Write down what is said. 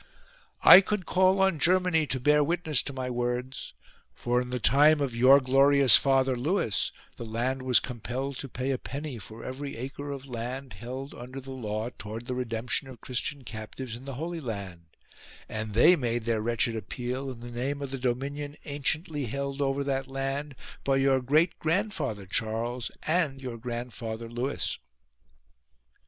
I could call on Germany to bear witness to my words ; for in the time of your glorious father Lewis the land was compelled to pay a penny for every acre of land held under the 124 LEWIS OF BAVARIA law towards the redemption of Christian captives in the Holy Land ; and they made their wretched appeal in the name of the dominion anciently held over that land by your great grandfather Charles and your grandfather Lewis.